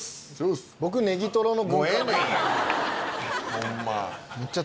ホンマ。